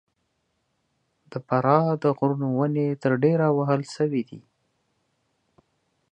د فراه د غرونو ونې تر ډېره وهل سوي دي.